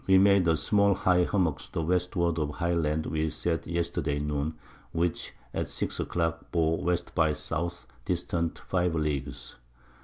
_ We made a small high Hummock to the Westward of the high Land we set yesterday Noon, which, at 6 a Clock bore W. by S. distant 5 Leagues.